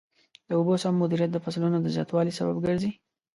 د اوبو سم مدیریت د فصلونو د زیاتوالي سبب ګرځي.